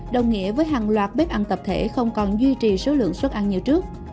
đồng nghĩa với hàng loạt bếp ăn tập thể không còn duy trì số lượng xuất ăn như trước